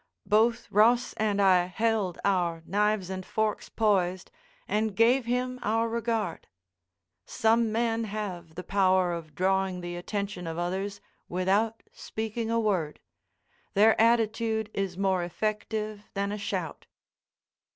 Both Ross and I held our knives and forks poised and gave him our regard. Some men have the power of drawing the attention of others without speaking a word. Their attitude is more effective than a shout.